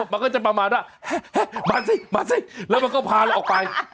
มันก็จะประมาณว่ามาสิมาสิแล้วมันก็พาเราออกไป